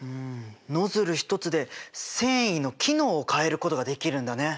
ノズル一つで繊維の機能を変えることができるんだね。